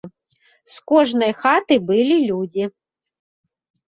З кожнай хаты былі людзі.